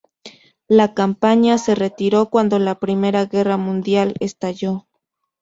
La Compañía se retiró cuando la primera guerra mundial estalló.